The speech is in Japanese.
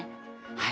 はい。